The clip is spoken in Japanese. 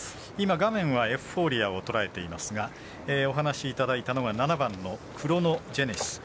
画面はエフフォーリアを捉えていますがお話いただいたのが７番のクロノジェネシス。